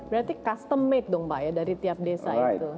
berarti custom made dong pak ya dari tiap desa itu